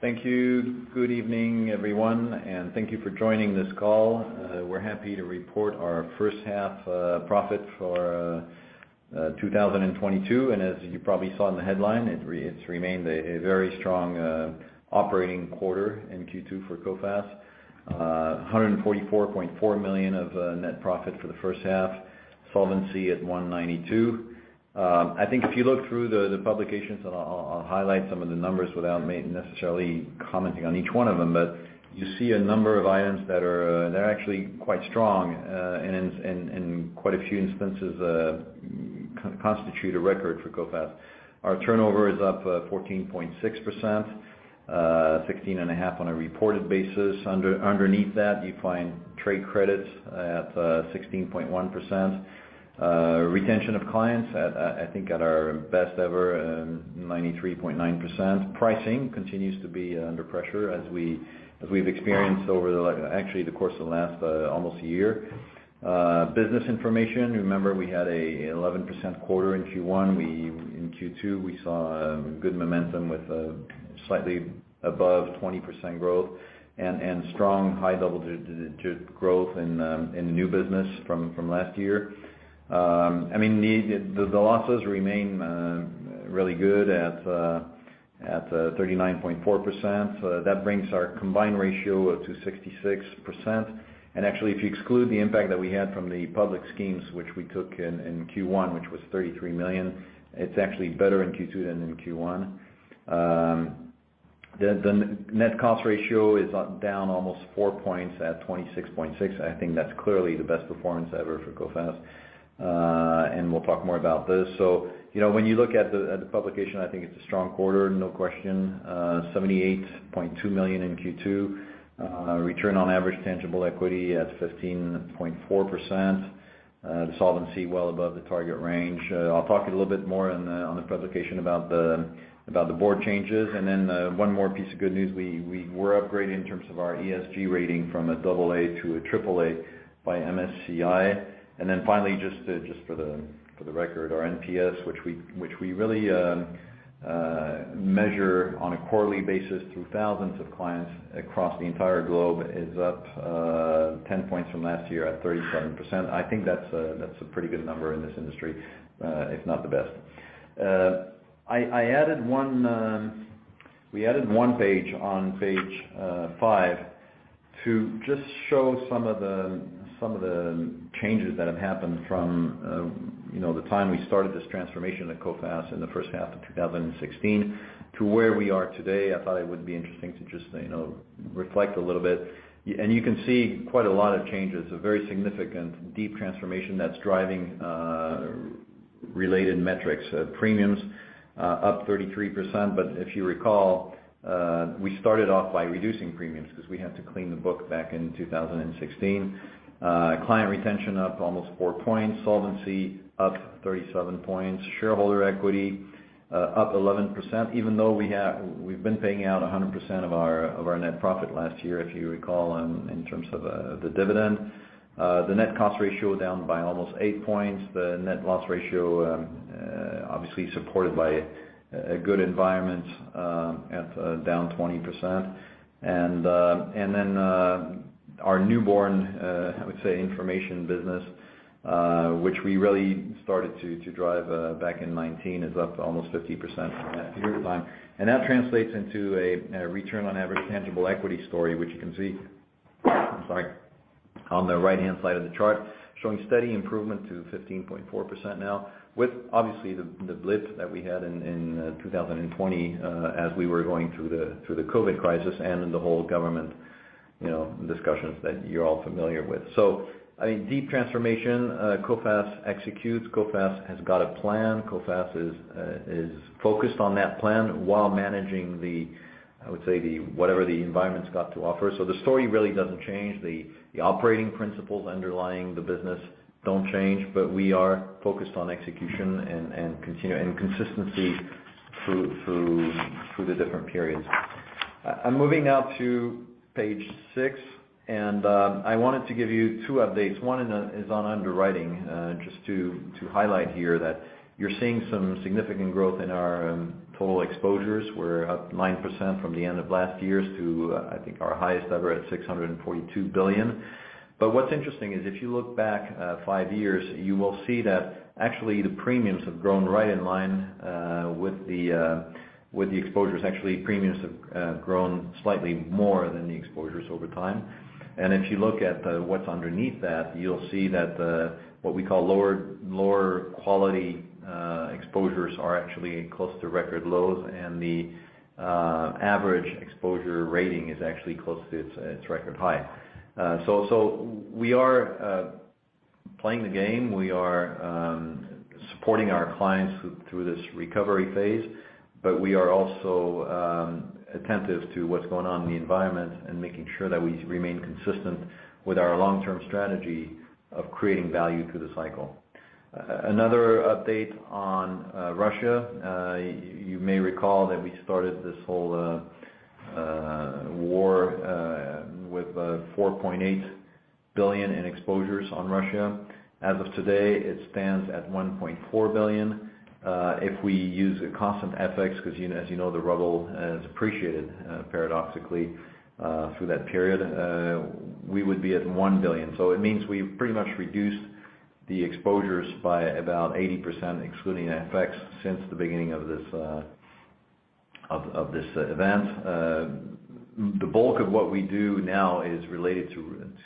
Thank you. Good evening, everyone, and thank you for joining this call. We're happy to report our first half profit for 2022. As you probably saw in the headline, it's remained a very strong operating quarter in Q2 for Coface. 144.4 million net profit for the first half, solvency at 192. I think if you look through the publications, and I'll highlight some of the numbers without necessarily commenting on each one of them, but you see a number of items that are actually quite strong, and quite a few instances constitute a record for Coface. Our turnover is up 14.6%, 16.5% on a reported basis. Underneath that, you find trade credits at 16.1%. Retention of clients at, I think at our best ever, 93.9%. Pricing continues to be under pressure as we've experienced over actually the course of the last almost year. Business information, remember we had an 11% quarter in Q1. In Q2, we saw good momentum with slightly above 20% growth and strong high level growth in new business from last year. I mean, the losses remain really good at 39.4%. That brings our combined ratio to 66%. Actually, if you exclude the impact that we had from the public schemes which we took in Q1, which was 33 million, it's actually better in Q2 than in Q1. The net cost ratio is down almost 4 points at 26.6. I think that's clearly the best performance ever for Coface. We'll talk more about this. You know, when you look at the publication, I think it's a strong quarter, no question. 78.2 million in Q2. Return on Average Tangible Equity at 15.4%. The Solvency Ratio well above the target range. I'll talk a little bit more on the publication about the board changes. One more piece of good news, we were upgraded in terms of our ESG rating from AA to AAA by MSCI. Finally, just for the record, our NPS, which we really measure on a quarterly basis through thousands of clients across the entire globe, is up 10 points from last year at 37%. I think that's a pretty good number in this industry, if not the best. We added one page on page five to just show some of the changes that have happened from, you know, the time we started this transformation at Coface in the first half of 2016 to where we are today. I thought it would be interesting to just, you know, reflect a little bit. You can see quite a lot of changes, a very significant deep transformation that's driving related metrics. Premiums up 33%. If you recall, we started off by reducing premiums 'cause we had to clean the book back in 2016. Client retention up almost four points, solvency up 37 points, shareholder equity up 11%, even though we've been paying out 100% of our net profit last year, if you recall, in terms of the dividend. The net cost ratio down by almost eight points. The net loss ratio obviously supported by a good environment, that's down 20%. Our newborn, I would say, information business, which we really started to drive back in 2019, is up almost 50% from that period of time. That translates into a Return on Average Tangible Equity story, which you can see, I'm sorry, on the right-hand side of the chart, showing steady improvement to 15.4% now, with obviously the blip that we had in 2020, as we were going through the COVID crisis and in the whole government, you know, discussions that you're all familiar with. I mean, deep transformation, Coface executes. Coface has got a plan. Coface is focused on that plan while managing the, I would say, the whatever the environment's got to offer. The story really doesn't change. The operating principles underlying the business don't change, but we are focused on execution and consistency through the different periods. I'm moving now to page six, and I wanted to give you two updates. One is on underwriting, just to highlight here that you're seeing some significant growth in our total exposures. We're up 9% from the end of last year to, I think our highest ever at 642 billion. What's interesting is if you look back five years, you will see that actually the premiums have grown right in line with the exposures. Actually, premiums have grown slightly more than the exposures over time. If you look at what's underneath that, you'll see that what we call lower quality exposures are actually close to record lows, and the average exposure rating is actually close to its record high. We are playing the game. We are supporting our clients through this recovery phase, but we are also attentive to what's going on in the environment and making sure that we remain consistent with our long-term strategy of creating value through the cycle. Another update on Russia. You may recall that we started this whole war with 4.8 billion in exposures on Russia. As of today, it stands at 1.4 billion. If we use a constant FX, because, you know, as you know, the ruble has appreciated paradoxically through that period, we would be at 1 billion. So it means we've pretty much reduced the exposures by about 80%, excluding FX, since the beginning of this event. The bulk of what we do now is related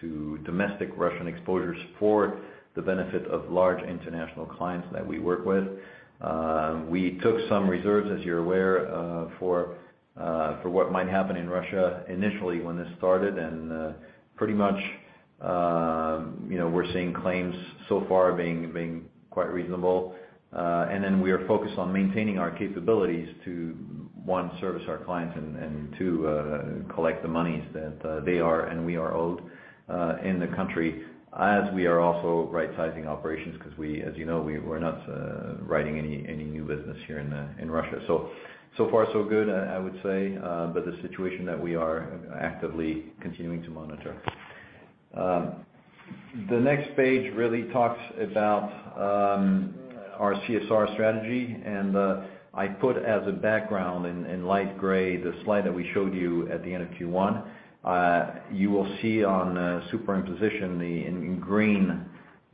to domestic Russian exposures for the benefit of large international clients that we work with. We took some reserves, as you're aware, for what might happen in Russia initially when this started. Pretty much, you know, we're seeing claims so far being quite reasonable. We are focused on maintaining our capabilities to one service our clients and two collect the monies that they are and we are owed in the country as we are also rightsizing operations because we, as you know, we're not writing any new business here in Russia. So far so good, I would say, but the situation that we are actively continuing to monitor. The next page really talks about our CSR strategy. I put as a background in light gray the slide that we showed you at the end of Q1. You will see on superimposition in green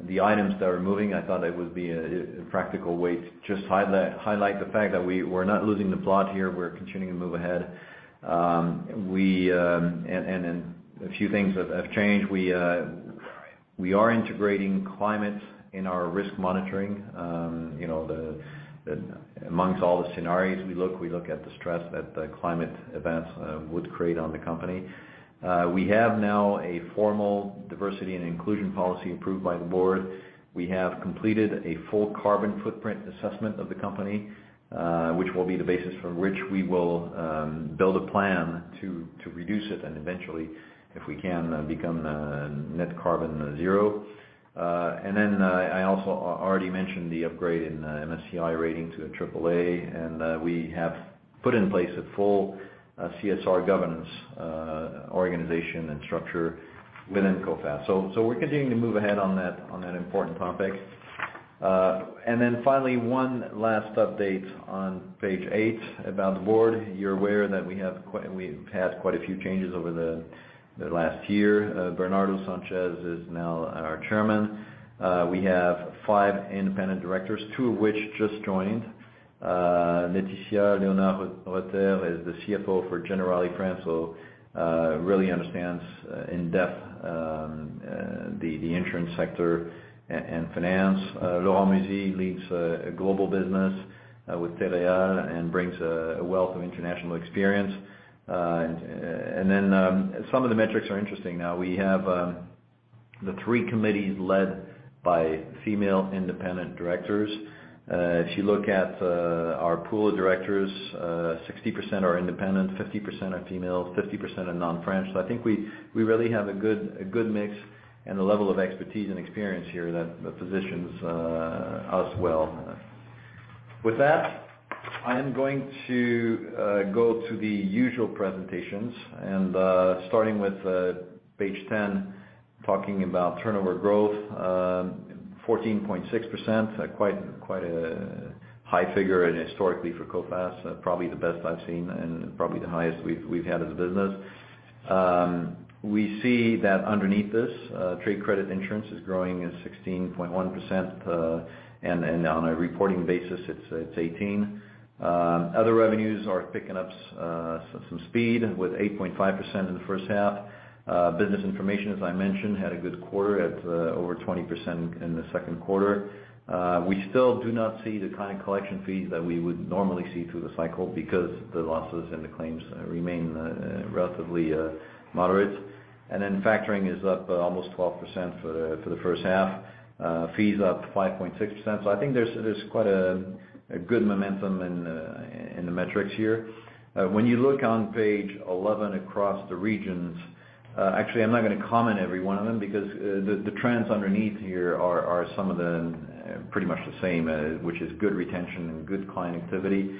the items that are moving. I thought it would be a practical way to just highlight the fact that we're not losing the plot here, we're continuing to move ahead. A few things have changed. We are integrating climate in our risk monitoring. You know, among all the scenarios we look at the stress that the climate events would create on the company. We have now a formal diversity and inclusion policy approved by the board. We have completed a full carbon footprint assessment of the company, which will be the basis from which we will build a plan to reduce it and eventually, if we can, become net carbon zero. I also already mentioned the upgrade in MSCI rating to AAA, and we have put in place a full CSR governance organization and structure within Coface. We're continuing to move ahead on that important topic. Finally, one last update on page eight about the board. You're aware that we've had quite a few changes over the last year. Bernardo Sanchez Incera is now our Chairman. We have five independent directors, two of which just joined. Laetitia Léonard-Reuter is the CFO for Generali France, so really understands in depth the insurance sector and finance. Laurent Musy leads a global business with Tereos and brings a wealth of international experience. Some of the metrics are interesting now. We have the three committees led by female independent directors. If you look at our pool of directors, 60% are independent, 50% are female, 50% are non-French. I think we really have a good mix and a level of expertise and experience here that positions us well. With that, I am going to go to the usual presentations. Starting with page 10, talking about turnover growth, 14.6%, quite a high figure historically for Coface, probably the best I've seen and probably the highest we've had as a business. We see that underneath this, trade credit insurance is growing at 16.1%, and on a reporting basis, it's 18%. Other revenues are picking up some speed with 8.5% in the first half. Business information, as I mentioned, had a good quarter at over 20% in the second quarter. We still do not see the kind of collection fees that we would normally see through the cycle because the losses and the claims remain relatively moderate. Then factoring is up almost 12% for the first half. Fees up 5.6%. I think there's quite a good momentum in the metrics here. When you look on page 11 across the regions. Actually, I'm not gonna comment every one of them because the trends underneath here are some of the pretty much the same, which is good retention and good client activity,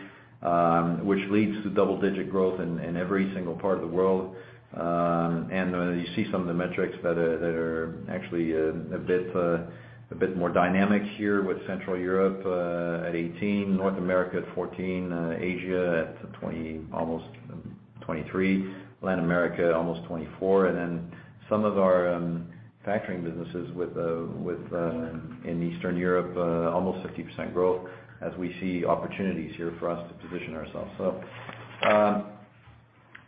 which leads to double-digit growth in every single part of the world. You see some of the metrics that are actually a bit more dynamic here with Central Europe at 18%, North America at 14%, Asia at 20, almost 23%, Latin America almost 24%. Then some of our factoring businesses with in Eastern Europe almost 50% growth as we see opportunities here for us to position ourselves.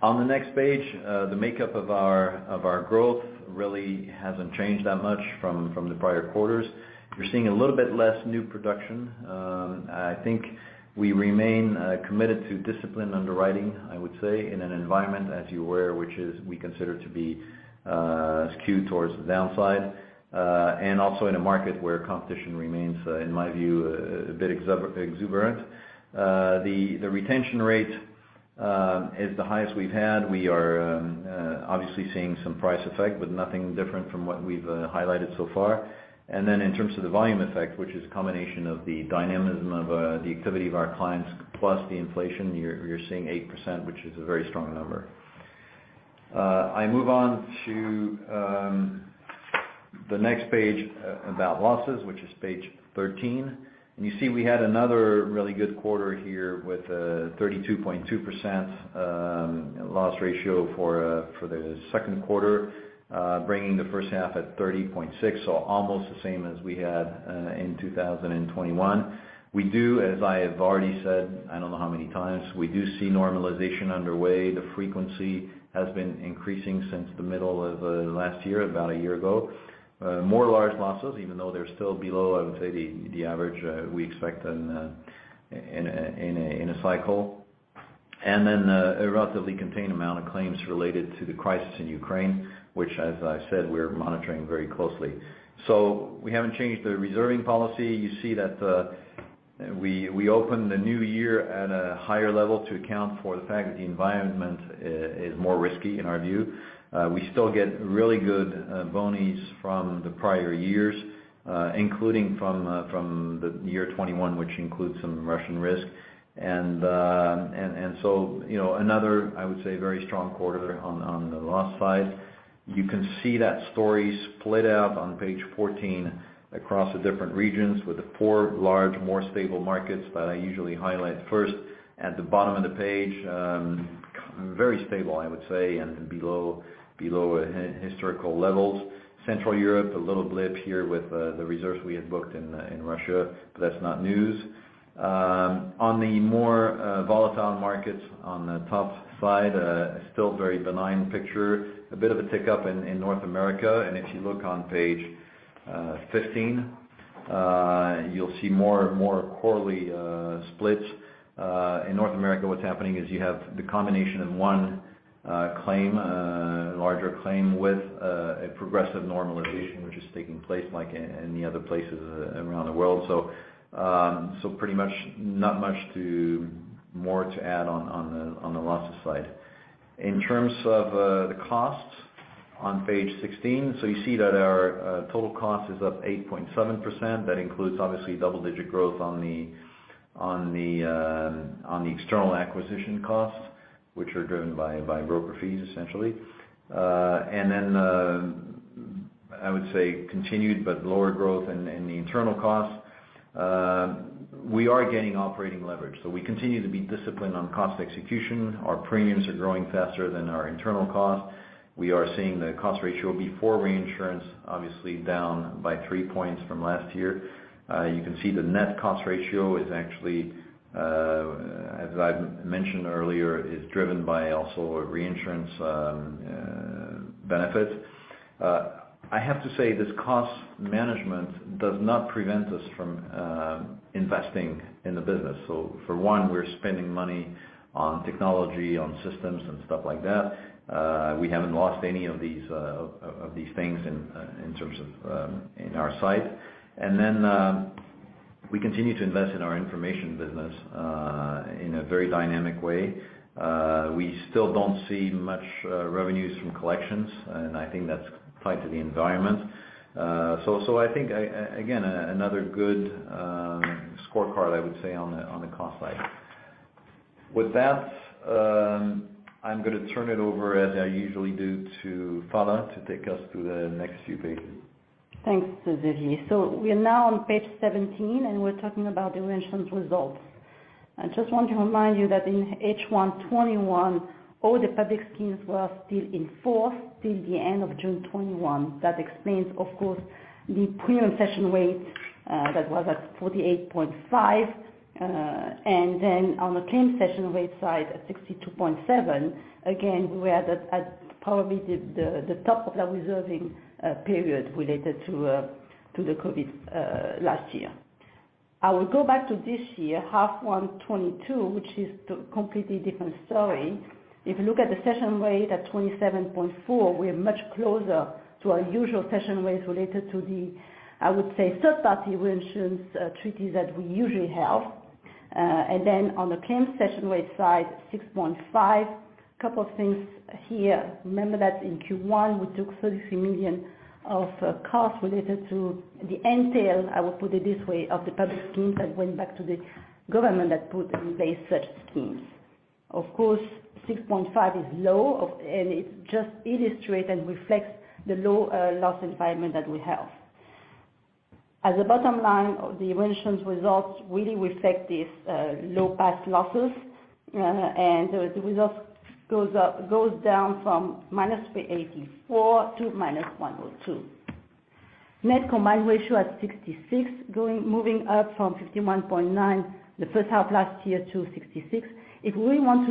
On the next page, the makeup of our growth really hasn't changed that much from the prior quarters. You're seeing a little bit less new production. I think we remain committed to disciplined underwriting, I would say, in an environment, as you're aware, which we consider to be skewed towards the downside, and also in a market where competition remains, in my view, a bit exuberant. The retention rate is the highest we've had. We are obviously seeing some price effect, but nothing different from what we've highlighted so far. In terms of the volume effect, which is a combination of the dynamism of the activity of our clients plus the inflation, you're seeing 8%, which is a very strong number. I move on to the next page about losses, which is page 13. You see we had another really good quarter here with a 32.2% loss ratio for the second quarter, bringing the first half at 30.6%. Almost the same as we had in 2021. We do, as I have already said, I don't know how many times, we do see normalization underway. The frequency has been increasing since the middle of last year, about a year ago. More large losses, even though they're still below, I would say the average we expect in a cycle. A relatively contained amount of claims related to the crisis in Ukraine, which as I said, we're monitoring very closely. We haven't changed the reserving policy. You see that, we opened the new year at a higher level to account for the fact that the environment is more risky in our view. We still get really good boni from the prior years, including from the year 2021, which includes some Russian risk. You know, another, I would say, very strong quarter on the loss side. You can see that story split out on page 14 across the different regions with the four large, more stable markets that I usually highlight first at the bottom of the page. Very stable, I would say, and below historical levels. Central Europe, a little blip here with the reserves we had booked in Russia, but that's not news. On the more volatile markets on the top side, still very benign picture, a bit of a tick up in North America. If you look on page 15, you'll see more and more quarterly splits. In North America, what's happening is you have the combination of one larger claim with a progressive normalization, which is taking place like any other places around the world. Pretty much, not much more to add on the losses side. In terms of the costs on page 16. You see that our total cost is up 8.7%. That includes obviously double-digit growth on the external acquisition costs, which are driven by broker fees, essentially. I would say continued but lower growth in the internal costs. We are gaining operating leverage. We continue to be disciplined on cost execution. Our premiums are growing faster than our internal costs. We are seeing the cost ratio before reinsurance obviously down by three points from last year. You can see the net cost ratio is actually, as I've mentioned earlier, is driven by also a reinsurance benefit. I have to say this cost management does not prevent us from investing in the business. For one, we're spending money on technology, on systems, and stuff like that. We haven't lost any of these things in terms of our sight. We continue to invest in our information business in a very dynamic way. We still don't see much revenues from collections, and I think that's tied to the environment. I think again another good scorecard, I would say, on the cost side. With that, I'm gonna turn it over, as I usually do, to Phalla Gervais to take us through the next few pages. Thanks, Xavier. We are now on page 17, and we're talking about the reinsurance results. I just want to remind you that in H1 2021, all the public schemes were still in force till the end of June 2021. That explains of course the premium cession rate that was at 48.5%. And then on the claim cession rate side at 62.7%, again, we are at probably the top of the reserving period related to the COVID last year. I will go back to this year, H1 2022, which is a completely different story. If you look at the cession rate at 27.4%, we are much closer to our usual cession rates related to the, I would say, third-party reinsurance treaty that we usually have. On the claim cession rate side, 6.5. Couple of things here. Remember that in Q1 we took 33 million of costs related to the tail end, I will put it this way, of the public schemes that went back to the government that put in place such schemes. Of course, 6.5 is low and it just illustrate and reflects the low loss environment that we have. As a bottom line, the reinsurance results really reflect this low past losses, and the results goes down from -384 to -102. Net combined ratio at 66, moving up from 51.9 the first half last year to 66. If we want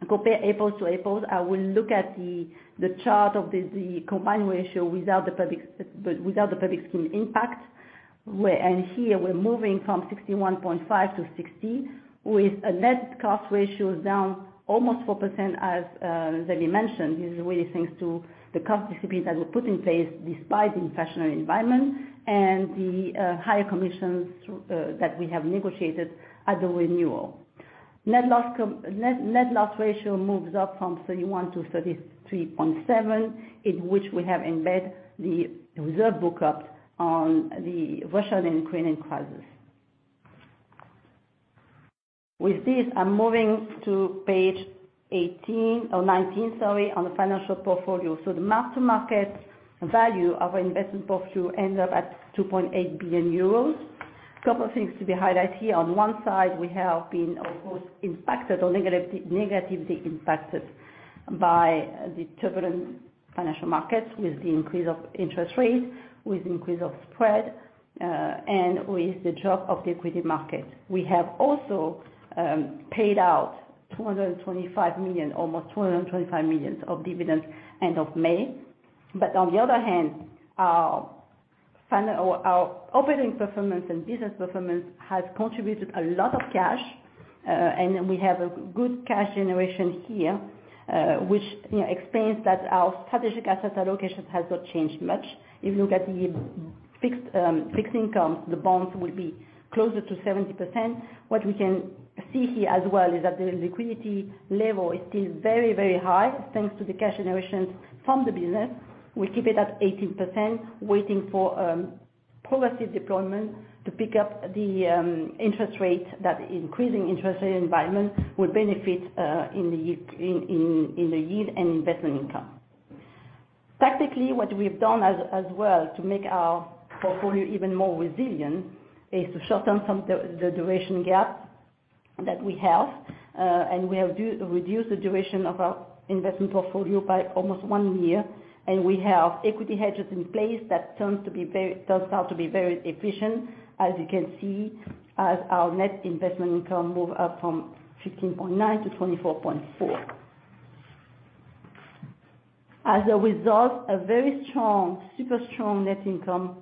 to, again, compare apples to apples, I will look at the chart of the combined ratio without the public scheme impact. Here we're moving from 61.5 to 60, with a net cost ratio down almost 4% as Xavier mentioned. This is really thanks to the cost discipline that we put in place despite the inflationary environment and the higher commissions that we have negotiated at the renewal. Net loss ratio moves up from 31 to 33.7, in which we have embedded the reserve buildup on the Russian and Ukrainian crisis. With this, I'm moving to page 18 or 19, sorry, on the financial portfolio. The mark-to-market value of our investment portfolio ends up at 2.8 billion euros. A couple of things to be highlighted here. On one side, we have been, of course, negatively impacted by the turbulent financial markets with the increase of interest rates, with increase of spread, and with the drop of the equity market. We have also paid out 225 million, almost 225 million of dividends end of May. On the other hand, our operating performance and business performance has contributed a lot of cash, and we have a good cash generation here, which, you know, explains that our strategic asset allocation has not changed much. If you look at the fixed income, the bonds will be closer to 70%. What we can see here as well is that the liquidity level is still very, very high, thanks to the cash generations from the business. We keep it at 18%, waiting for policy deployment to pick up the interest rate. That increasing interest rate environment will benefit in the yield and investment income. Tactically, what we've done as well to make our portfolio even more resilient is to shorten some of the duration gap that we have. We have reduced the duration of our investment portfolio by almost one year. We have equity hedges in place that turns out to be very efficient, as you can see, as our net investment income move up from 15.9 to 24.4. As a result, a very strong, super strong net income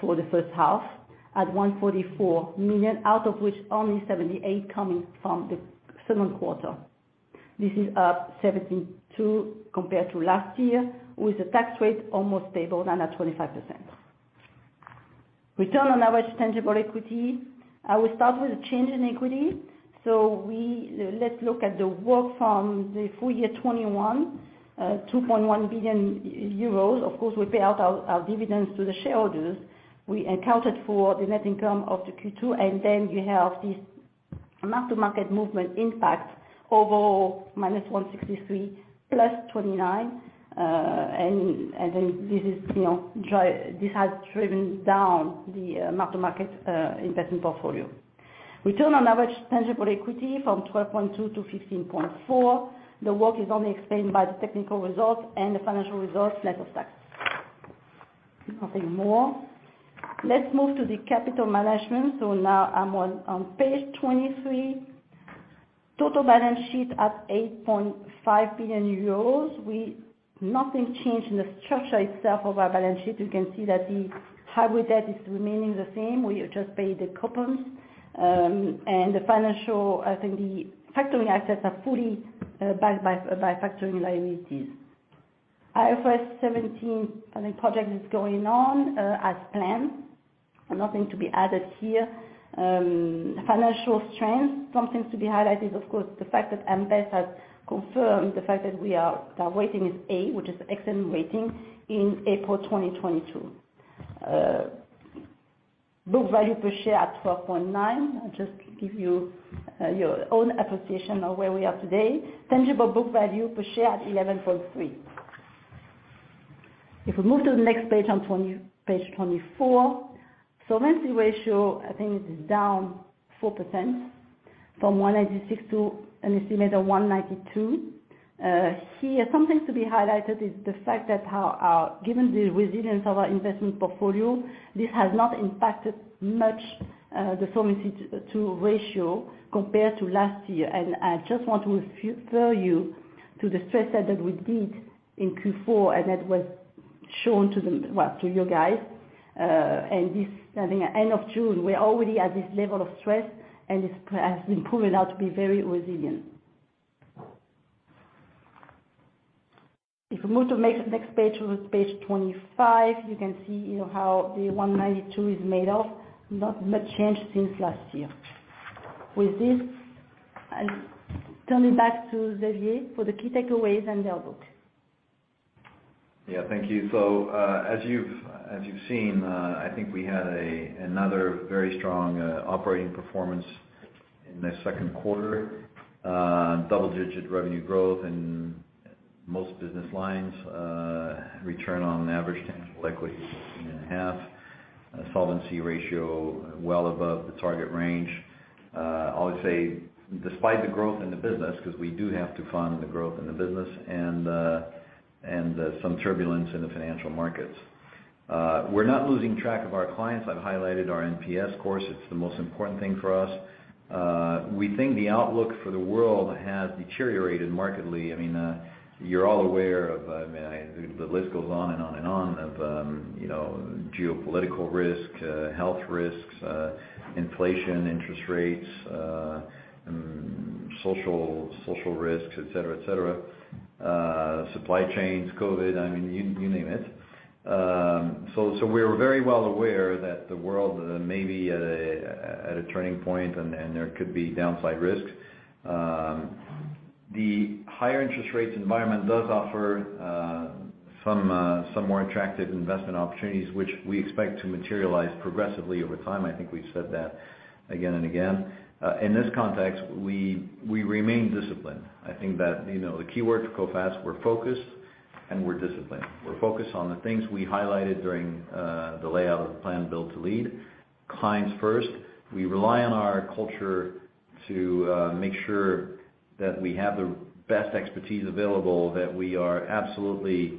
for the first half at 144 million, out of which only 78 million coming from the second quarter. This is up 72 million compared to last year with the tax rate almost stable and at 25%. Return on Average Tangible Equity. I will start with a change in equity. We let's look at the book from the full year 2021, 2.1 billion euros. Of course, we pay out our dividends to the shareholders. We accounted for the net income of the Q2, and then you have this mark-to-market movement impact overall -163 million + 29 million. And then this is, you know, this has driven down the mark-to-market investment portfolio. Return on Average Tangible Equity from 12.2% to 15.4%. The work is only explained by the technical results and the financial results net of tax. Nothing more. Let's move to the capital management. Now I'm on page 23. Total balance sheet at 8.5 billion euros. Nothing changed in the structure itself of our balance sheet. You can see that the hybrid debt is remaining the same. We just paid the coupons. And the financial, I think the factoring assets are fully backed by factoring liabilities. IFRS 17 funding project is going on as planned. Nothing to be added here. Financial strength, something to be highlighted, of course, the fact that AM Best has confirmed the fact that we are, our rating is A, which is excellent rating in April 2022. Book value per share at 12.9. I'll just give you your own appreciation of where we are today. Tangible book value per share at 11.3. If we move to the next page, on page 24. Solvency Ratio, I think it is down 4% from 186 to an estimated 192. Here something to be highlighted is the fact that our given the resilience of our investment portfolio, this has not impacted much the Solvency Ratio compared to last year. I just want to refer you to the stress test that we did in Q4, and that was shown to the, well, to you guys. This, I think at end of June, we're already at this level of stress, and this has been proven now to be very resilient. If we move to next page 25, you can see, you know, how the 192 is made of. Not much change since last year. With this, I turn it back to Xavier for the key takeaways and the outlook. Thank you. As you've seen, I think we had another very strong operating performance in the second quarter. Double-digit revenue growth in most business lines, Return on Average Tangible Equity of 14.5, Solvency Ratio well above the target range. I would say despite the growth in the business, because we do have to fund the growth in the business and some turbulence in the financial markets. We're not losing track of our clients. I've highlighted our NPS score. It's the most important thing for us. We think the outlook for the world has deteriorated markedly. I mean, you're all aware of, I mean, the list goes on and on and on of, you know, geopolitical risk, health risks, inflation, interest rates, social risks, et cetera, supply chains, COVID, I mean, you name it. We're very well aware that the world may be at a turning point and there could be downside risks. The higher interest rates environment does offer some more attractive investment opportunities which we expect to materialize progressively over time. I think we've said that again and again. In this context, we remain disciplined. I think that, you know, the keyword to Coface, we're focused and we're disciplined. We're focused on the things we highlighted during the rollout of the plan Build to Lead. Clients first. We rely on our culture to make sure that we have the best expertise available, that we are absolutely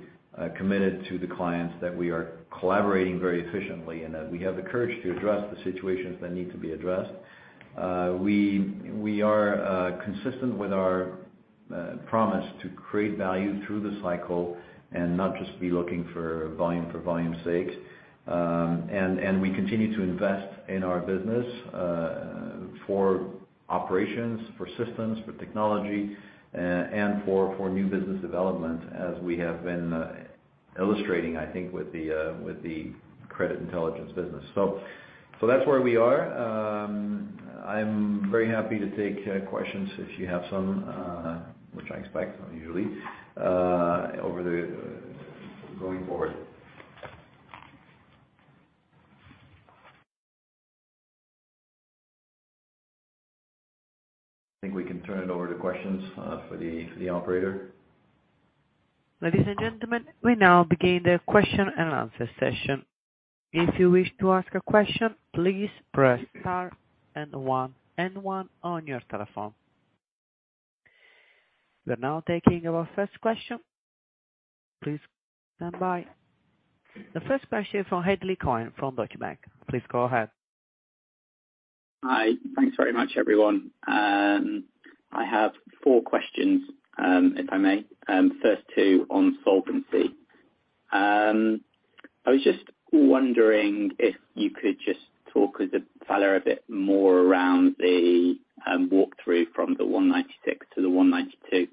committed to the clients, that we are collaborating very efficiently, and that we have the courage to address the situations that need to be addressed. We are consistent with our promise to create value through the cycle and not just be looking for volume for volume's sake. We continue to invest in our business for operations, for systems, for technology, and for new business development as we have been illustrating, I think with the Credit Intelligence business. That's where we are. I'm very happy to take questions if you have some, which I expect usually going forward. I think we can turn it over to questions for the operator. Ladies and gentlemen, we now begin the question and answer session. If you wish to ask a question, please press star and one and one on your telephone. We're now taking our first question. Please stand by. The first question from Hadley Cohen from Morgan Stanley. Please go ahead. Hi. Thanks very much, everyone. I have four questions, if I may. First two on solvency. I was just wondering if you could just talk with Phalla Gervais a bit more around the walk through from the 196% to the 192%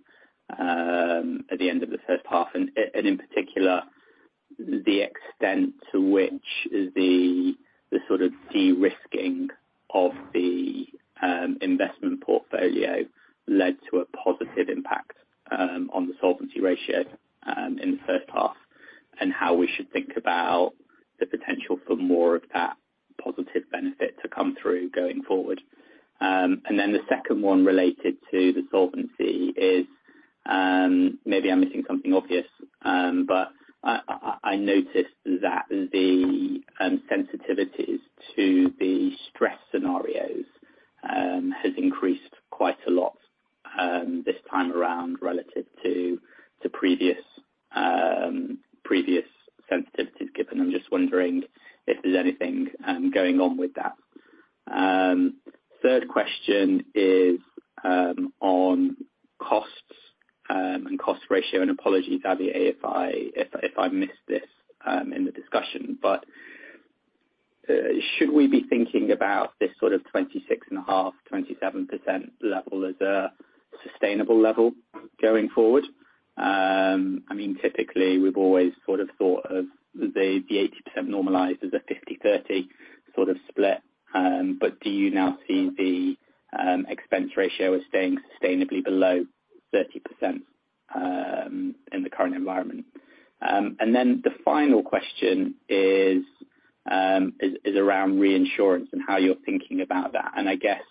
at the end of the first half. In particular, the extent to which the sort of de-risking of the investment portfolio led to a positive impact on the solvency ratio in the first half, and how we should think about the potential for more of that positive benefit to come through going forward. The second one related to the solvency is maybe I'm missing something obvious, but I noticed that the sensitivities to the stress scenarios has increased quite a lot this time around relative to previous sensitivities given. I'm just wondering if there's anything going on with that. Third question is on costs and cost ratio. Apologies, Xavier, if I missed this in the discussion. Should we be thinking about this sort of 26.5%-27% level as a sustainable level going forward? I mean, typically, we've always sort of thought of the 80% normalized as a 50-30 sort of split. Do you now see the expense ratio as staying sustainably below 30% in the current environment? The final question is around reinsurance and how you're thinking about that. I guess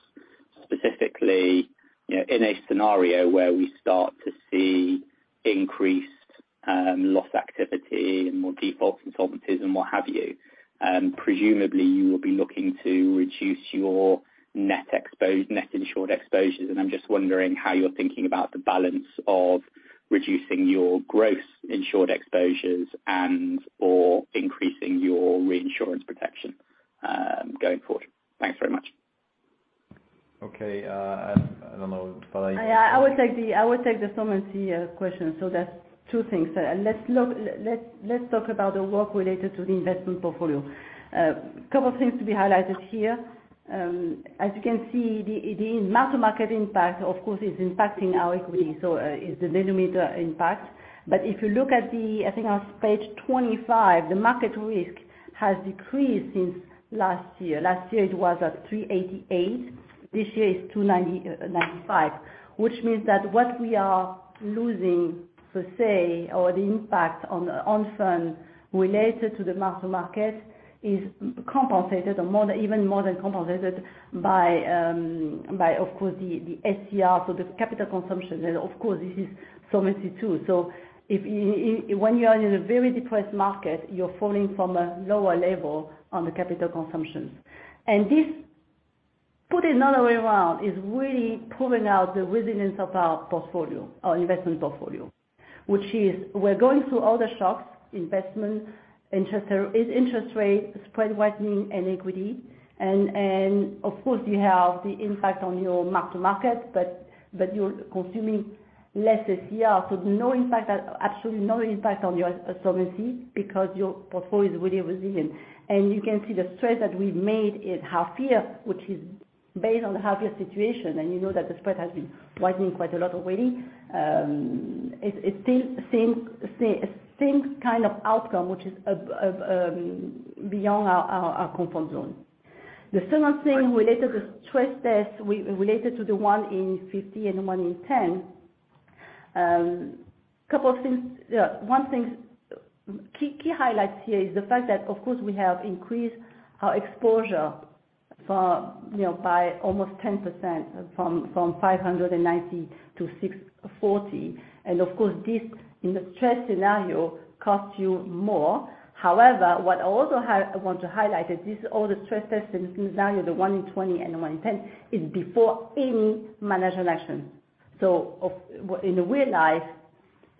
specifically, you know, in a scenario where we start to see increased loss activity and more defaults and insolvencies and what have you, presumably you will be looking to reduce your net insured exposures. I'm just wondering how you're thinking about the balance of reducing your gross insured exposures and/or increasing your reinsurance protection going forward. Thanks very much. Okay. I don't know if Valérie. Yeah. I would take the solvency question. That's two things. Let's talk about the work related to the investment portfolio. Couple things to be highlighted here. As you can see, the mark-to-market impact, of course, is impacting our equity. It's the numerator impact. If you look at, I think on page 25, the market risk has decreased since last year. Last year it was at 388. This year it's 295. Which means that what we are losing, per se, or the impact on firm related to the mark-to-market is compensated or more, even more than compensated by, of course, the SCR, so the capital consumption. Of course, this is Solvency II. If when you are in a very depressed market, you're falling from a lower level on the capital consumptions. This, put another way around, is really proving out the resilience of our portfolio, our investment portfolio. Which is, we're going through all the shocks, investment, interest rate, spread widening and equity. Of course, you have the impact on your mark-to-market, but you're consuming less SCR. No impact, absolutely no impact on your solvency because your portfolio is really resilient. You can see the spread that we've made in half-year, which is based on the half-year situation, and you know that the spread has been widening quite a lot already. It's still the same kind of outcome, which is beyond our comfort zone. The second thing related to the stress test, the 1 in 50 and the 1 in 10, couple of things. One thing, key highlights here is the fact that of course we have increased our exposure, you know, by almost 10% from 590 to 640. Of course, this in the stress scenario costs you more. However, what I also want to highlight is that all the stress tests in this scenario, the 1 in 20 and the 1 in 10 is before any management action. In real life,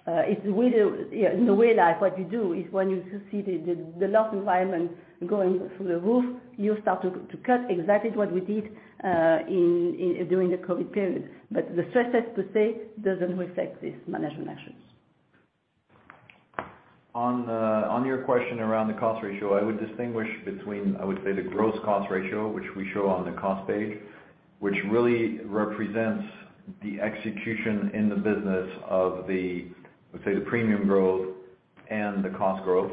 it's really, you know, in real life, what you do is when you see the loss environment going through the roof, you start to cut exactly what we did during the COVID period. The stress test per se doesn't reflect this management actions. On your question around the cost ratio, I would distinguish between. I would say the gross cost ratio, which we show on the cost page, which really represents the execution in the business of, let's say, the premium growth and the cost growth.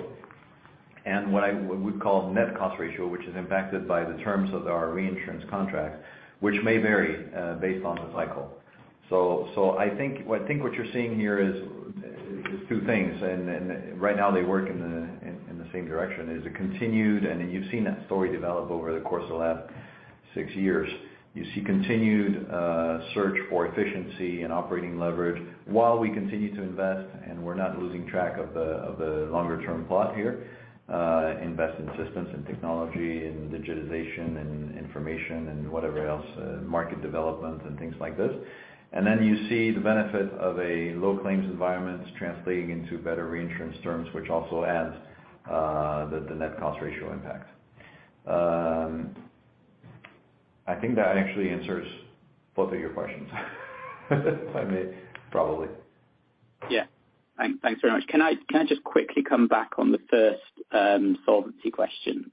What we would call net cost ratio, which is impacted by the terms of our reinsurance contract, which may vary based on the cycle. I think what you're seeing here is two things, and right now they work in the same direction, is a continued, and you've seen that story develop over the course of the last six years. You see continued search for efficiency and operating leverage while we continue to invest, and we're not losing track of the longer term plot here, invest in systems and technology and digitization and information and whatever else, market development and things like this. Then you see the benefit of a low claims environment translating into better reinsurance terms, which also adds the net cost ratio impact. I think that actually answers both of your questions. If I may, probably. Yeah. Thanks very much. Can I just quickly come back on the first solvency question?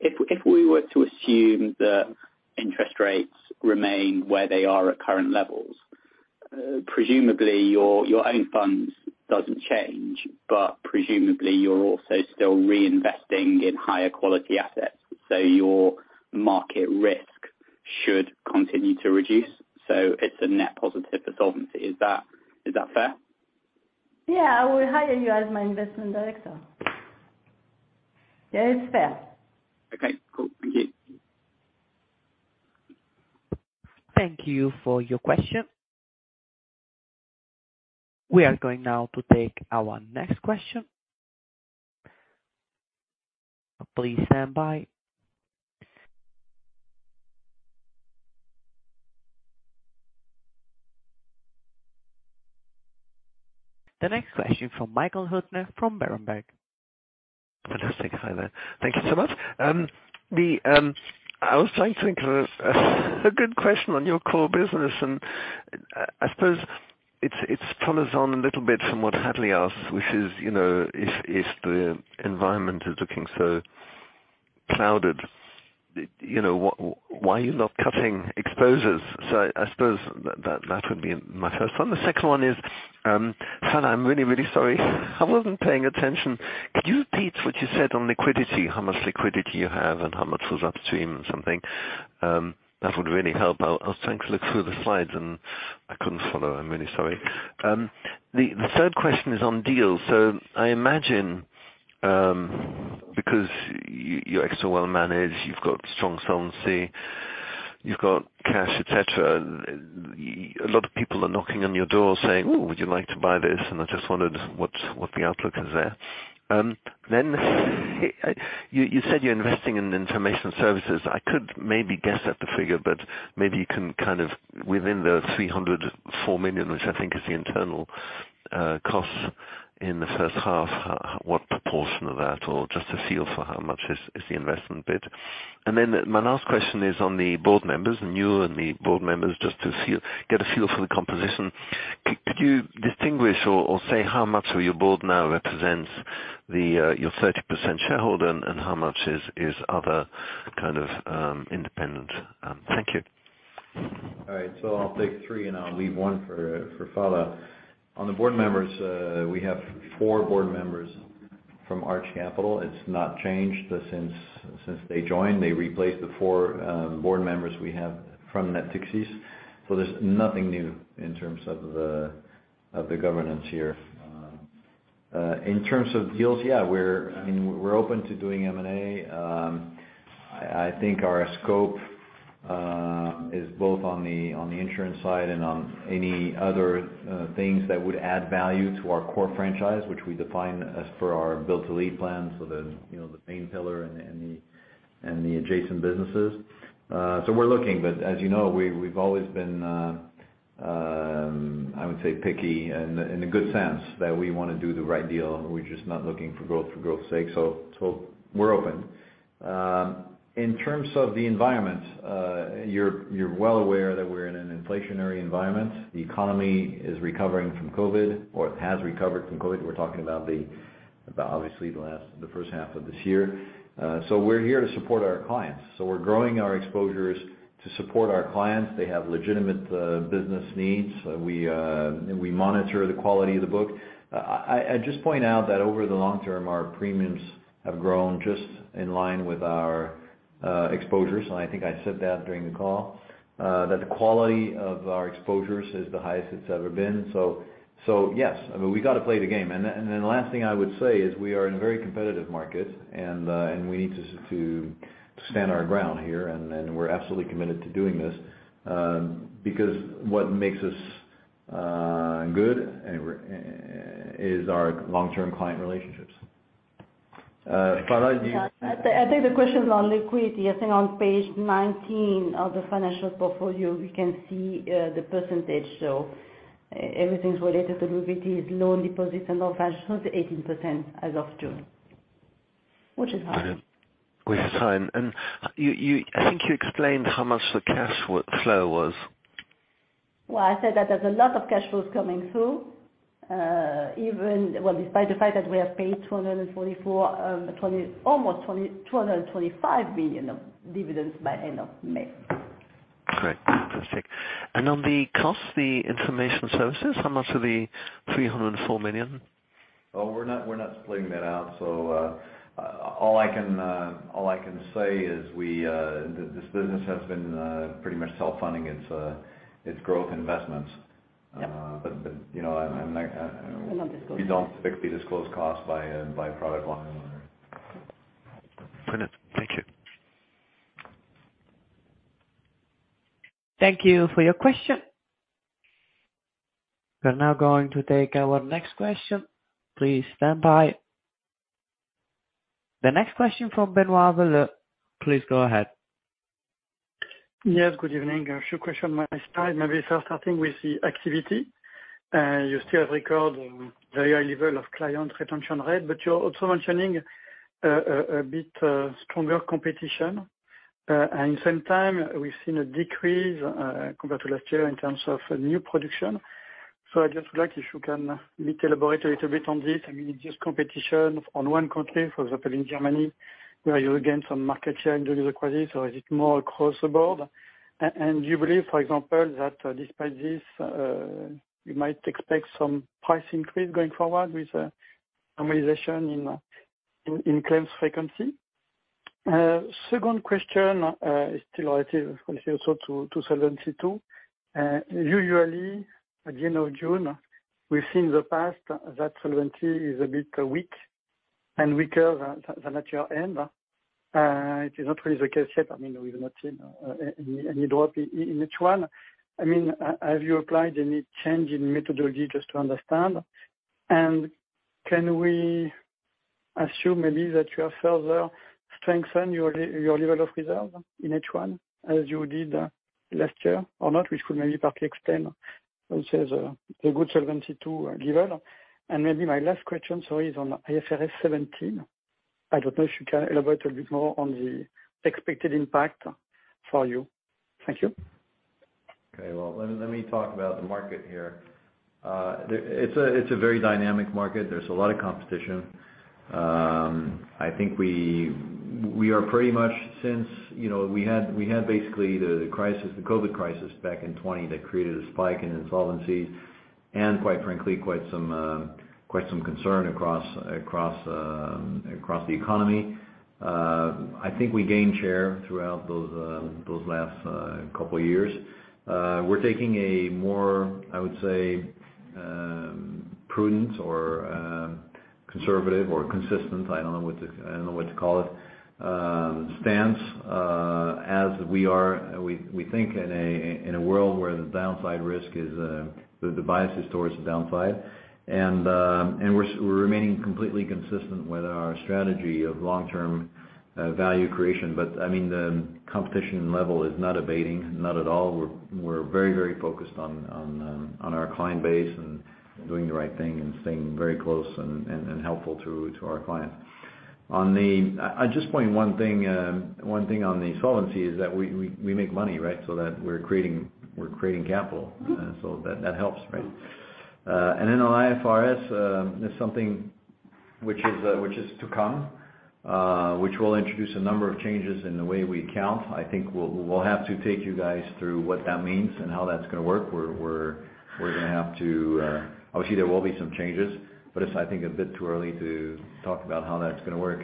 If we were to assume that interest rates remain where they are at current levels, presumably your own funds doesn't change, but presumably you're also still reinvesting in higher quality assets, so your market risk should continue to reduce. It's a net positive for solvency. Is that fair? Yeah. I will hire you as my investment director. Yeah, it's fair. Okay, cool. Thank you. Thank you for your question. We are going now to take our next question. Please stand by. The next question from Michael Huttner from Berenberg. Fantastic. Hi there. Thank you so much. The, I was trying to think of a good question on your core business, and I suppose it's, it follows on a little bit from what Hadley asked, which is, you know, if the environment is looking so clouded, you know, why are you not cutting exposures? I suppose that would be my first one. The second one is, Phalla, I'm really, really sorry. I wasn't paying attention. Could you repeat what you said on liquidity, how much liquidity you have and how much was upstream and something? That would really help. I'll try and look through the slides and I couldn't follow. I'm really sorry. The third question is on deals. I imagine, because you're extra well managed, you've got strong solvency, you've got cash, et cetera, a lot of people are knocking on your door saying, "Ooh, would you like to buy this?" I just wondered what the outlook is there. You said you're investing in information services. I could maybe guess at the figure, but maybe you can kind of within the 304 million, which I think is the internal cost in the first half, what proportion of that or just a feel for how much is the investment bit. My last question is on the board members and you and the board members, just to get a feel for the composition. Could you distinguish or say how much of your board now represents the your 30% shareholder and how much is other kind of independent? Thank you. All right. I'll take three and I'll leave one for Phalla. On the board members, we have four board members from Arch Capital. It's not changed since they joined. They replaced the four board members we have from Natixis. There's nothing new in terms of the governance here. In terms of deals, yeah, I mean, we're open to doing M&A. I think our scope is both on the insurance side and on any other things that would add value to our core franchise, which we define as per our Build to Lead plan. You know, the main pillar and the adjacent businesses. We're looking, but as you know, we've always been, I would say picky in a good sense that we wanna do the right deal. We're just not looking for growth for growth's sake. We're open. In terms of the environment, you're well aware that we're in an inflationary environment. The economy is recovering from COVID or it has recovered from COVID. We're talking about obviously the first half of this year. We're here to support our clients, so we're growing our exposures to support our clients. They have legitimate business needs. We monitor the quality of the book. I just point out that over the long term, our premiums have grown just in line with our exposures, and I think I said that during the call. That the quality of our exposures is the highest it's ever been. Yes, I mean, we gotta play the game. Last thing I would say is we are in a very competitive market and we need to stand our ground here, and we're absolutely committed to doing this, because what makes us good is our long-term client relationships. Phalla, do you I think the question is on liquidity. I think on page 19 of the financial portfolio, we can see, the percentage. Everything's related to liquidity is low deposits and all that. It's 18% as of June, which is high. With time. You, I think you explained how much the cash flow was. Well, I said that there's a lot of cash flows coming through. Even, well, despite the fact that we have paid almost 225 million of dividends by end of May. Great. Fantastic. On the cost, the information services, how much are the 304 million? Oh, we're not splitting that out. All I can say is this business has been pretty much self-funding its growth investments. Yeah. You know, I'm not. We're not disclosing. We don't typically disclose costs by product line. Great. Thank you. Thank you for your question. We're now going to take our next question. Please stand by. The next question from Benoît Valleaux. Please go ahead. Yes, good evening. A few questions. I start maybe first with the activity. You still have record very high level of client retention rate, but you're also mentioning a bit stronger competition. And at the same time, we've seen a decrease compared to last year in terms of new production. So I'd just like if you can elaborate a little bit on this. I mean, is this competition on one country, for example, in Germany, where you gain some market share during the crisis, or is it more across the board? And do you believe, for example, that despite this, we might expect some price increase going forward with normalization in claims frequency? Second question is still related also to Solvency II. Usually at the end of June, we've seen in the past that solvency is a bit weak and weaker than at your end. It is not really the case yet. I mean, we've not seen any drop in H1. I mean, have you applied any change in methodology just to understand? Can we assume maybe that you have further strengthened your level of reserve in H1 as you did last year or not, which could maybe partly explain which is a good solvency to level. Maybe my last question, sorry, is on IFRS 17. I don't know if you can elaborate a bit more on the expected impact for you. Thank you. Okay. Well, let me talk about the market here. It's a very dynamic market. There's a lot of competition. I think we are pretty much since, you know, we had basically the crisis, the COVID crisis back in 2020 that created a spike in insolvencies and quite frankly, quite some concern across the economy. I think we gained share throughout those last couple years. We're taking a more, I would say, prudent or conservative or consistent, I don't know what to call it, stance, as we think in a world where the downside risk is, the bias is towards the downside. We're remaining completely consistent with our strategy of long-term value creation. I mean, the competition level is not abating, not at all. We're very, very focused on our client base and doing the right thing and staying very close and helpful to our clients. I just point one thing on the solvency is that we make money, right? That we're creating capital. Mm-hmm. That helps, right? And then on IFRS is something which is to come, which will introduce a number of changes in the way we count. I think we'll have to take you guys through what that means and how that's gonna work. We're gonna have to. Obviously, there will be some changes, but it's, I think, a bit too early to talk about how that's gonna work.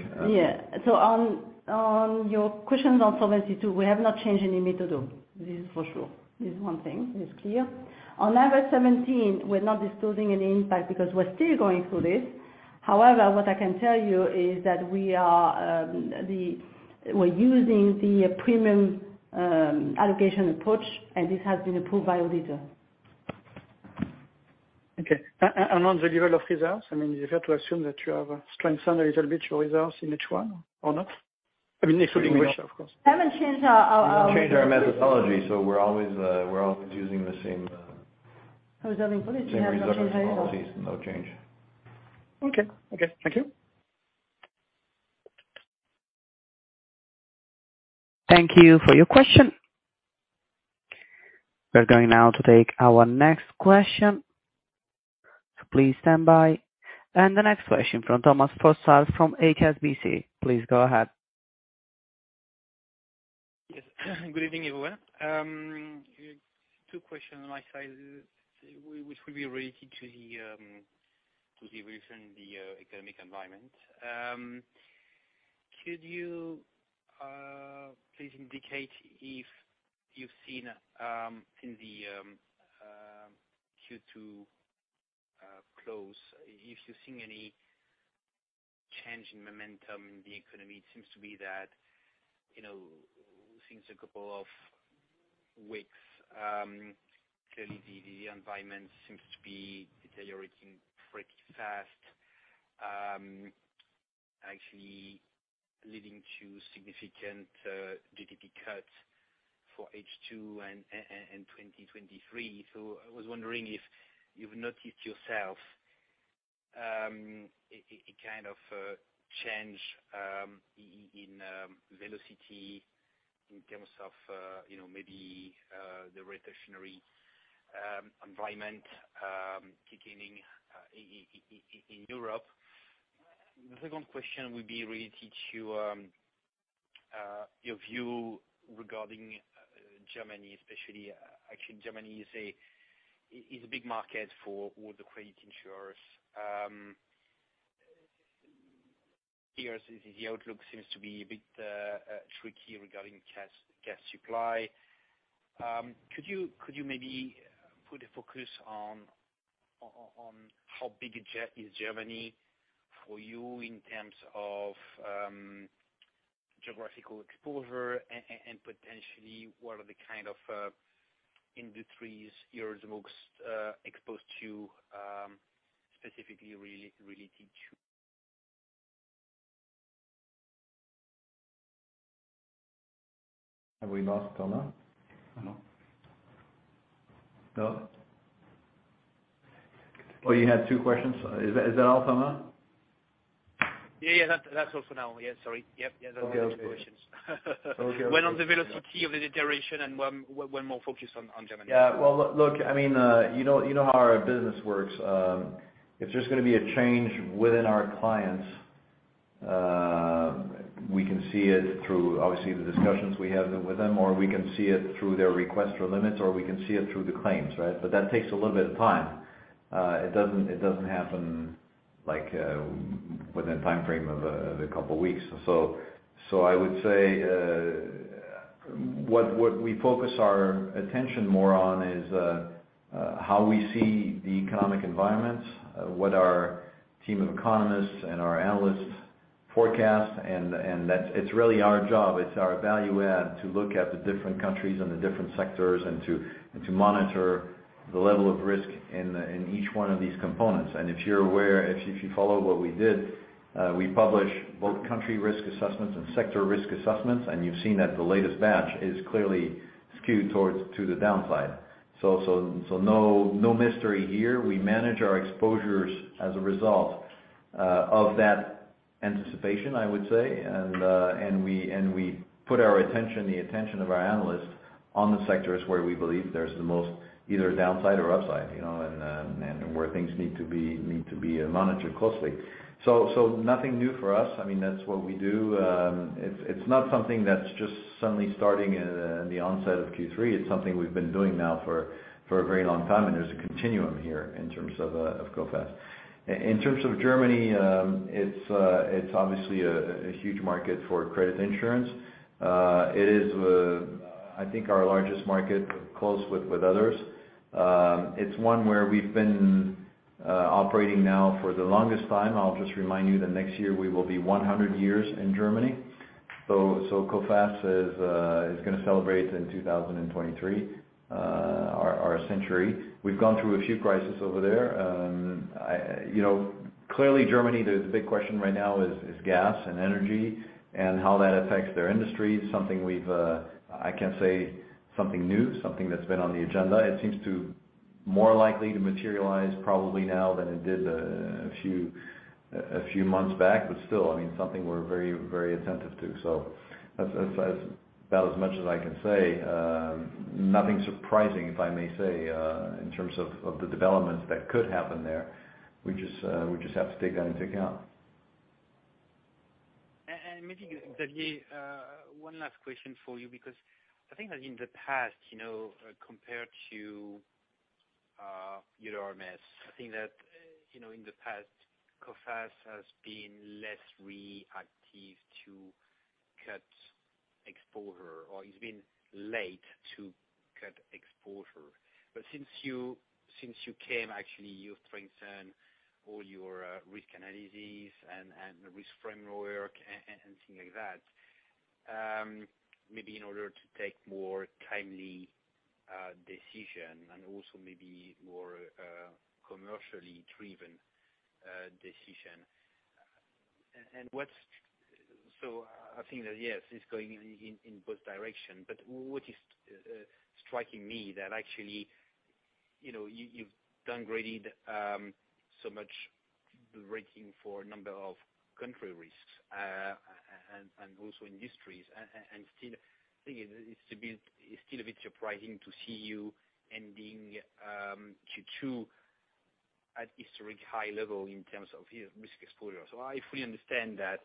On your questions on Solvency II, we have not changed any methodology. This is for sure. This is one thing. It's clear. On IFRS 17, we're not disclosing any impact because we're still going through this. However, what I can tell you is that we're using the Premium Allocation Approach, and this has been approved by our auditor. Okay. On the level of reserves, I mean, you have to assume that you have strengthened a little bit your reserves in H1 or not? I mean, loss ratio, of course. We haven't changed our. We haven't changed our methodology, so we're always using the same. Reserving policy Same reserving policies. No change. Okay. Okay. Thank you. Thank you for your question. We're going now to take our next question. Please stand by. The next question from Thomas Fossard from HSBC. Please go ahead. Yes. Good evening, everyone. Two questions on my side, which will be related to the, to the evolution of the, economic environment. Could you, please indicate if you've seen, in the, Q2, close, if you've seen any change in momentum in the economy? It seems to be that, you know, since a couple of weeks, clearly the environment seems to be deteriorating pretty fast, actually leading to significant, GDP cuts for H2 and 2023. I was wondering if you've noticed yourself, a kind of, change, in, velocity in terms of, you know, maybe, the recessionary, environment, beginning in Europe. The second question would be related to, your view regarding, Germany especially. Actually Germany is a big market for all the credit insurers. Here the outlook seems to be a bit tricky regarding gas supply. Could you maybe put a focus on how big Germany is for you in terms of geographical exposure and potentially what are the kind of industries you're the most exposed to, specifically related to. Have we lost Thomas? I don't know. No? Oh, you had two questions. Is that all, Thomas? Yeah, yeah. That's all for now. Yeah, sorry. Yep, yeah. Okay, that's good. One on the velocity of the deterioration and one more focused on Germany. Yeah. Well, look, I mean, you know how our business works. If there's gonna be a change within our clients, we can see it through obviously the discussions we have with them, or we can see it through their request for limits, or we can see it through the claims, right? That takes a little bit of time. It doesn't happen like within timeframe of a couple weeks. I would say what we focus our attention more on is how we see the economic environments, what our team of economists and our analysts forecast and that's. It's really our job, it's our value add to look at the different countries and the different sectors and to monitor the level of risk in each one of these components. If you're aware, if you follow what we did, we publish both country risk assessments and sector risk assessments, and you've seen that the latest batch is clearly skewed towards the downside. No mystery here. We manage our exposures as a result of that anticipation, I would say. We put the attention of our analysts on the sectors where we believe there's the most either downside or upside, you know, and where things need to be monitored closely. Nothing new for us. I mean, that's what we do. It's not something that's just suddenly starting in the onset of Q3. It's something we've been doing now for a very long time, and there's a continuum here in terms of Coface. In terms of Germany, it's obviously a huge market for credit insurance. It is, I think our largest market close with others. It's one where we've been operating now for the longest time. I'll just remind you that next year we will be 100 years in Germany. Coface is gonna celebrate in 2023 our century. We've gone through a few crises over there. You know, clearly, Germany, the big question right now is gas and energy and how that affects their industry. It's not something new, something that's been on the agenda. It seems more likely to materialize probably now than it did a few months back. Still, I mean, something we're very attentive to. That's about as much as I can say. Nothing surprising if I may say in terms of the developments that could happen there. We just have to take that into account. Maybe, Xavier, one last question for you, because I think that in the past, you know, compared to your peers, I think that, you know, in the past Coface has been less reactive to cut exposure or it's been late to cut exposure. Since you came, actually, you've strengthened all your risk analysis and risk framework and things like that, maybe in order to take more timely decision and also maybe more commercially driven decision. I think that yes, it's going in both direction, but what is striking me that actually you know, you've downgraded so much ratings for a number of country risks and also industries. Still, it's still a bit surprising to see you ending Q2 at historic high level in terms of your risk exposure. I fully understand that,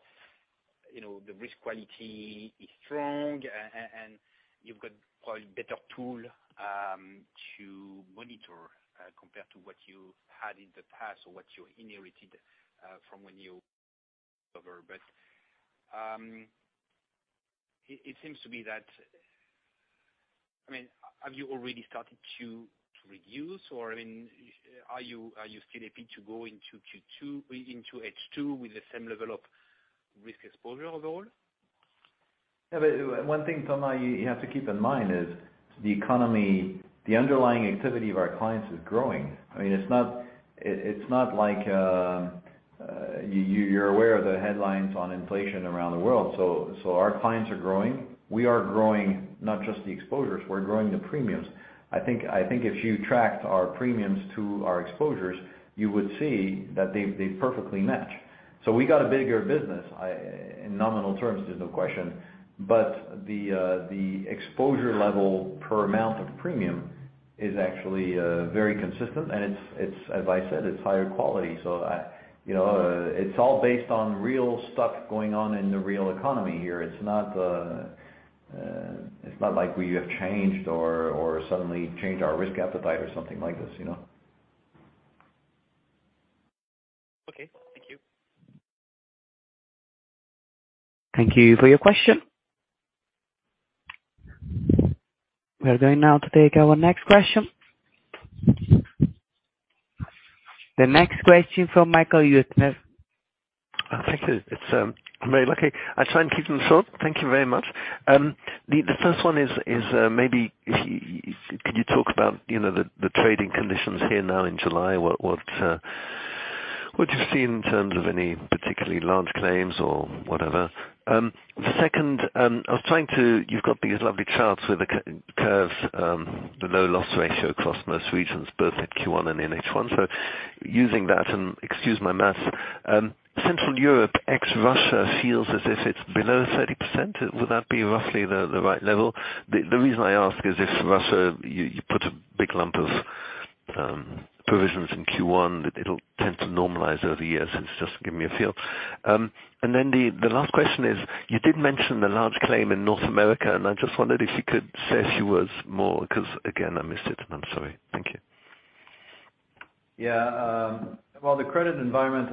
you know, the risk quality is strong and you've got probably better tool to monitor compared to what you had in the past or what you inherited from when you took over. It seems to me. I mean, have you already started to reduce? Or, I mean, are you still happy to go into H2 with the same level of risk exposure overall? Yeah, one thing, Thomas, you have to keep in mind is the economy, the underlying activity of our clients is growing. I mean, it's not like you're aware of the headlines on inflation around the world, so our clients are growing. We are growing not just the exposures, we're growing the premiums. I think if you tracked our premiums to our exposures, you would see that they perfectly match. So we got a bigger business in nominal terms, there's no question. The exposure level per amount of premium is actually very consistent. It's, as I said, higher quality. You know, it's all based on real stuff going on in the real economy here. It's not like we have changed or suddenly changed our risk appetite or something like this, you know. Okay. Thank you. Thank you for your question. We are going now to take our next question. The next question from Michael Huttner. Thank you. It's very lucky. I try and keep them short. Thank you very much. The first one is maybe if you could talk about, you know, the trading conditions here now in July? What do you see in terms of any particularly large claims or whatever? The second, I was trying to. You've got these lovely charts with the curve, the low loss ratio across most regions, both at Q1 and in H1. Using that, and excuse my math, Central Europe ex-Russia feels as if it's below 30%. Would that be roughly the right level? The reason I ask is if Russia, you put a big lump of provisions in Q1, it'll tend to normalize over years, and it's just to give me a feel. The last question is, you did mention the large claim in North America, and I just wondered if you could say a few words more, 'cause again, I missed it. I'm sorry. Thank you. Yeah. Well, the credit environment,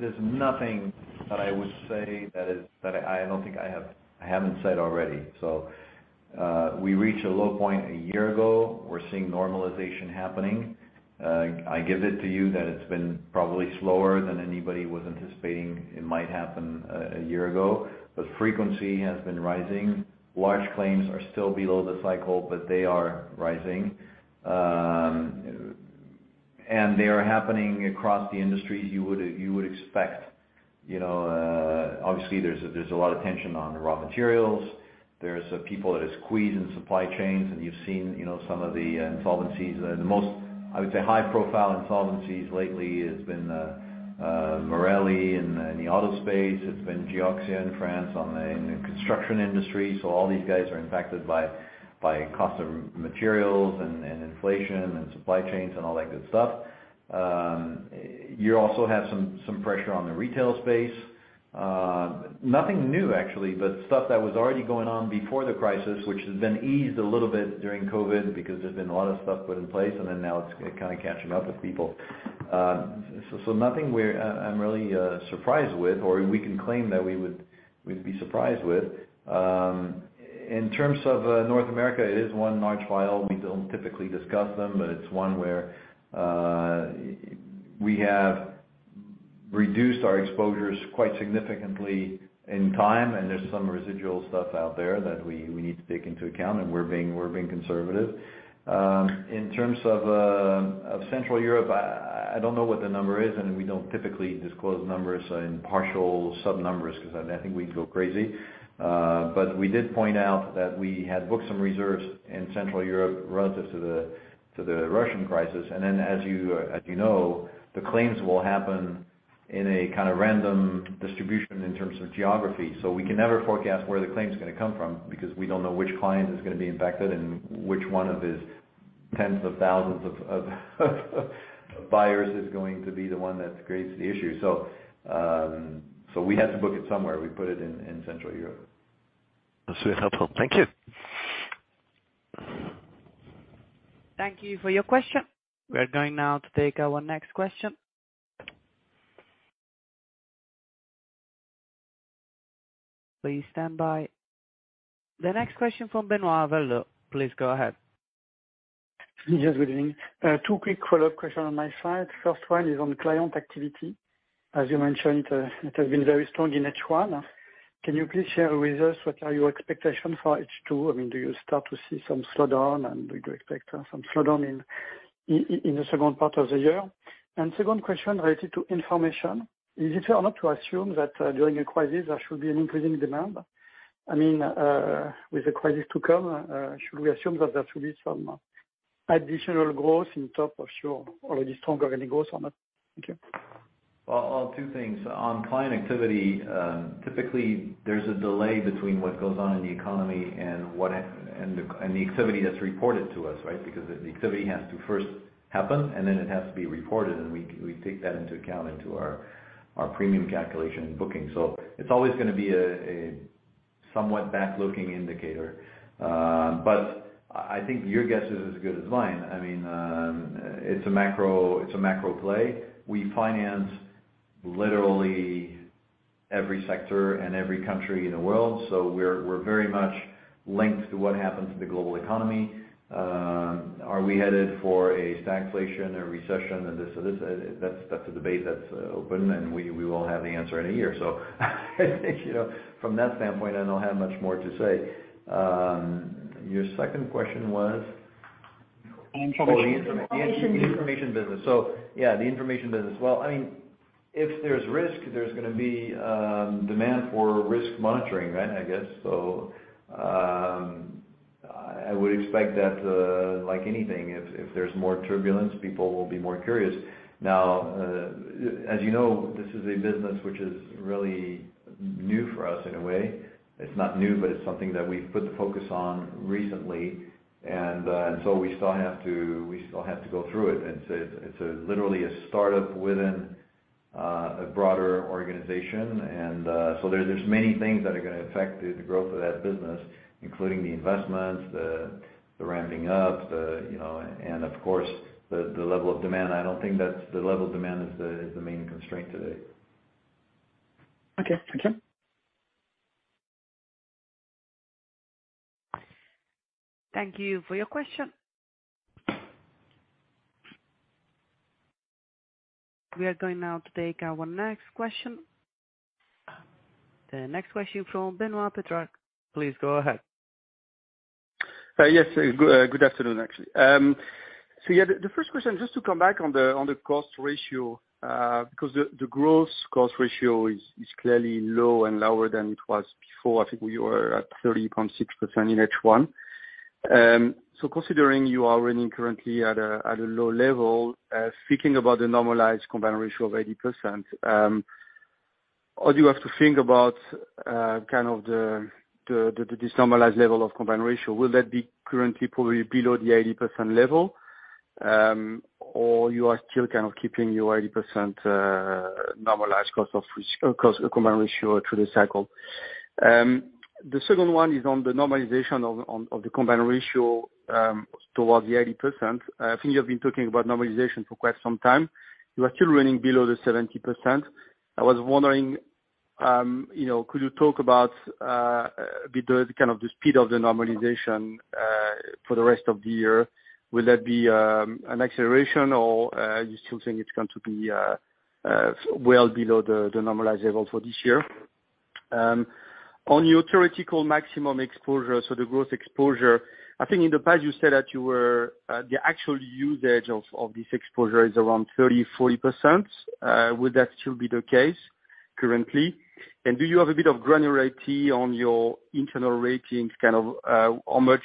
there's nothing that I would say that I haven't said already. We reached a low point a year ago. We're seeing normalization happening. I give it to you that it's been probably slower than anybody was anticipating it might happen a year ago, but frequency has been rising. Large claims are still below the cycle, but they are rising. They are happening across the industry you would expect. You know, obviously there's a lot of tension on the raw materials. There's people that are squeezed in supply chains, and you've seen, you know, some of the insolvencies. The most, I would say, high-profile insolvencies lately has been Marelli in the auto space. It's been Geoxia in France on the construction industry. All these guys are impacted by cost of materials and inflation and supply chains and all that good stuff. You also have some pressure on the retail space. Nothing new actually, but stuff that was already going on before the crisis, which has been eased a little bit during COVID because there's been a lot of stuff put in place and then now it's kind of catching up with people. Nothing we're surprised with, or we can claim that we would be surprised with. In terms of North America, it is one large file. We don't typically discuss them, but it's one where we have reduced our exposures quite significantly in time, and there's some residual stuff out there that we need to take into account, and we're being conservative. In terms of Central Europe, I don't know what the number is, and we don't typically disclose numbers in partial sub numbers because I think we'd go crazy. We did point out that we had booked some reserves in Central Europe relative to the Russian crisis. As you know, the claims will happen in a kind of random distribution in terms of geography. We can never forecast where the claim's gonna come from because we don't know which client is gonna be impacted and which one of his tens of thousands of buyers is going to be the one that creates the issue. We had to book it somewhere. We put it in Central Europe. That's really helpful. Thank you. Thank you for your question. We are going now to take our next question. Please stand by. The next question from Benoît Valleaux. Please go ahead. Yes, good evening. Two quick follow-up questions on my side. First one is on client activity. As you mentioned, it has been very strong in H1. Can you please share with us what are your expectations for H2? I mean, do you start to see some slowdown, and do you expect some slowdown in the second part of the year? Second question related to inflation. Is it fair or not to assume that during a crisis there should be an increasing demand? I mean, with the crisis to come, should we assume that there should be some additional growth on top of your already strong growth or not? Thank you. Well, on two things. On client activity, typically there's a delay between what goes on in the economy and the activity that's reported to us, right? Because the activity has to first happen, and then it has to be reported, and we take that into account into our premium calculation and booking. So it's always gonna be a somewhat backward-looking indicator. But I think your guess is as good as mine. I mean, it's a macro play. We finance literally every sector and every country in the world, so we're very much linked to what happens in the global economy. Are we headed for a stagflation or recession and this or this? That's a debate that's open, and we won't have the answer in a year. I think, you know, from that standpoint, I don't have much more to say. Your second question was? Information. The information business. Well, I mean, if there's risk, there's gonna be demand for risk monitoring, right, I guess. I would expect that, like anything, if there's more turbulence, people will be more curious. Now, as you know, this is a business which is really new for us in a way. It's not new, but it's something that we've put the focus on recently, and we still have to go through it. It's literally a startup within a broader organization. There's just many things that are gonna affect the growth of that business, including the investments, the ramping up, you know, and of course, the level of demand. I don't think that the level of demand is the main constraint today. Okay. Thank you. Thank you for your question. We are going now to take our next question. The next question from Benoît Pétrarque. Please go ahead. Yes, good afternoon, actually. Yeah, the first question, just to come back on the cost ratio, because the gross cost ratio is clearly low and lower than it was before. I think we were at 30.6% in H1. Considering you are running currently at a low level, speaking about the normalized combined ratio of 80%, all you have to think about kind of the normalized level of combined ratio, will that be currently probably below the 80% level, or you are still kind of keeping your 80% normalized combined ratio through the cycle? The second one is on the normalization of the combined ratio towards the 80%. I think you have been talking about normalization for quite some time. You are still running below the 70%. I was wondering, could you talk about the kind of speed of the normalization for the rest of the year? Will that be an acceleration or you still think it's going to be well below the normalized level for this year? On your theoretical maximum exposure, so the gross exposure, I think in the past you said that the actual usage of this exposure is around 30%-40%. Would that still be the case currently? Do you have a bit of granularity on your internal ratings, kind of, how much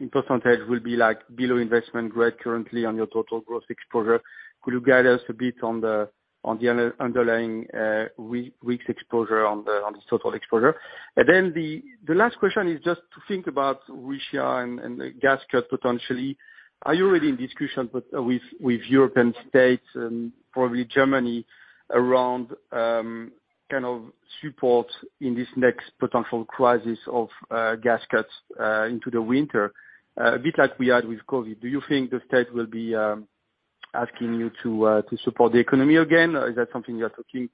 in % will be like below investment grade currently on your total gross exposure? Could you guide us a bit on the underlying re-risk exposure on this total exposure? Then the last question is just to think about Russia and the gas cut potentially. Are you already in discussion with European states and probably Germany around kind of support in this next potential crisis of gas cuts into the winter a bit like we had with COVID? Do you think the states will be asking you to support the economy again, or is that something you are talking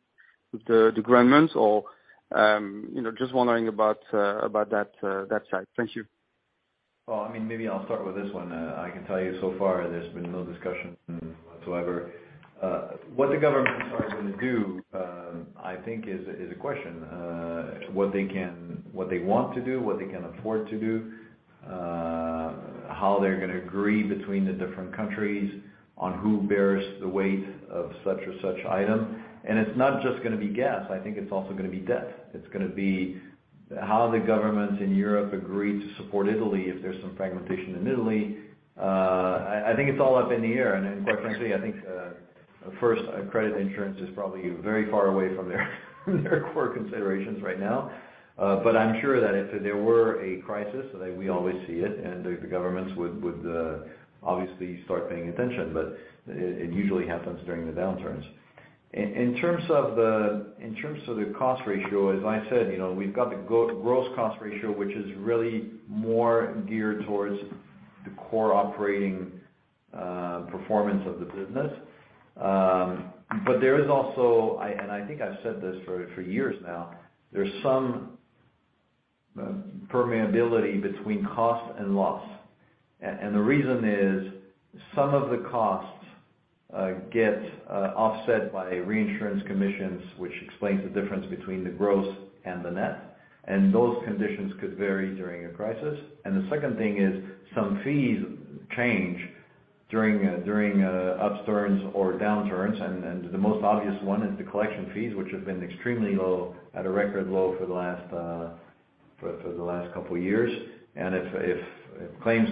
with the governments or you know, just wondering about that side. Thank you. Well, I mean, maybe I'll start with this one. I can tell you so far there's been no discussion whatsoever. What the governments are gonna do, I think is a question. What they can, what they want to do, what they can afford to do, how they're gonna agree between the different countries on who bears the weight of such and such item. It's not just gonna be gas. I think it's also gonna be debt. It's gonna be how the governments in Europe agree to support Italy if there's some fragmentation in Italy. I think it's all up in the air. Quite frankly, I think first credit insurance is probably very far away from their core considerations right now. I'm sure that if there were a crisis, that we always see it and the governments would obviously start paying attention. It usually happens during the downturns. In terms of the cost ratio, as I said, you know, we've got the gross cost ratio, which is really more geared towards the core operating performance of the business. There is also, and I think I've said this for years now. There's some permeability between cost and loss. The reason is some of the costs get offset by reinsurance commissions, which explains the difference between the gross and the net. Those conditions could vary during a crisis. The second thing is some fees change during upturns or downturns. The most obvious one is the collection fees, which have been extremely low at a record low for the last couple of years. If claims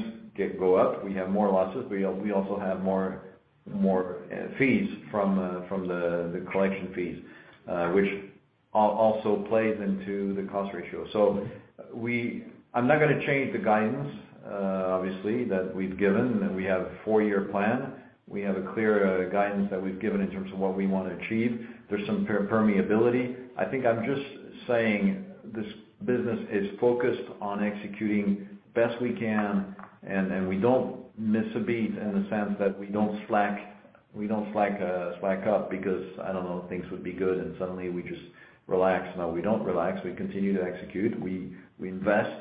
go up, we have more losses. We also have more fees from the collection fees, which also plays into the cost ratio. I'm not gonna change the guidance, obviously, that we've given, that we have a four-year plan. We have a clear guidance that we've given in terms of what we wanna achieve. There's some permeability. I think I'm just saying this business is focused on executing best we can, and we don't miss a beat in the sense that we don't slack up because, I don't know, things would be good and suddenly we just relax. No, we don't relax. We continue to execute. We invest,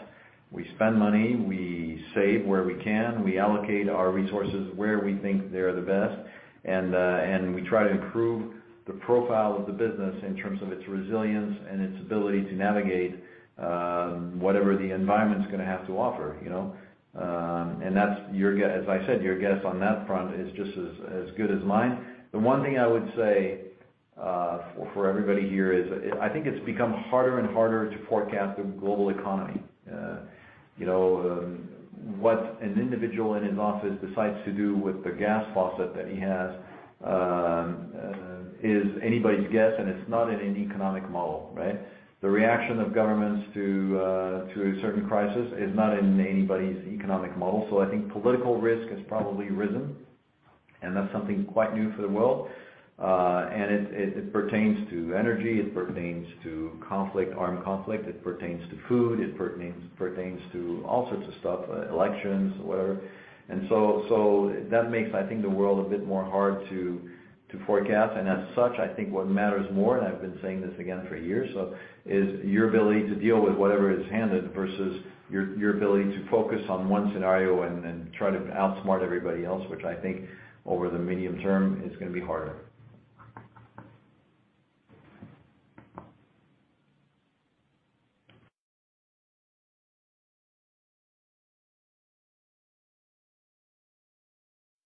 we spend money, we save where we can. We allocate our resources where we think they're the best. We try to improve the profile of the business in terms of its resilience and its ability to navigate whatever the environment's gonna have to offer, you know? As I said, your guess on that front is just as good as mine. The one thing I would say for everybody here is I think it's become harder and harder to forecast the global economy. You know, what an individual in his office decides to do with the gas faucet that he has is anybody's guess, and it's not in any economic model, right? The reaction of governments to a certain crisis is not in anybody's economic model. I think political risk has probably risen, and that's something quite new for the world. It pertains to energy, it pertains to conflict, armed conflict, it pertains to food, it pertains to all sorts of stuff, elections, whatever. That makes, I think, the world a bit more hard to forecast. As such, I think what matters more, and I've been saying this again for years, so, is your ability to deal with whatever is handed versus your ability to focus on one scenario and try to outsmart everybody else, which I think over the medium term is gonna be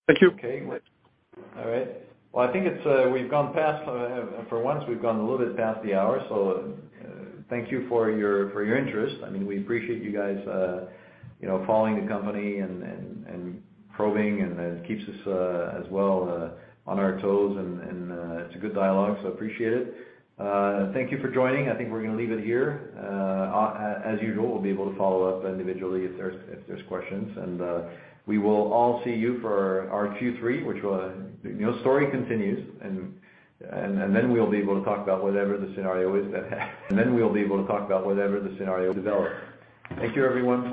harder. Thank you. Okay. All right. Well, for once, we've gone a little bit past the hour. Thank you for your interest. I mean, we appreciate you guys, you know, following the company and probing, and it keeps us as well on our toes, and it's a good dialogue, appreciate it. Thank you for joining. I think we're gonna leave it here. As usual, we'll be able to follow up individually if there's questions. We will all see you for our Q3, which we'll, you know, story continues, and then we'll be able to talk about whatever the scenario develops. Thank you, everyone.